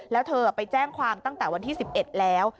แล้วเธอไปแจ้งความตั้งแต่วันที่๑๑แล้ว